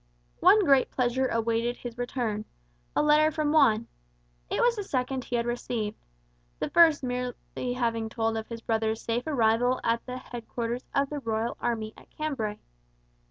One great pleasure awaited his return a letter from Juan. It was the second he had received; the first having merely told of his brother's safe arrival at the headquarters of the royal army at Cambray.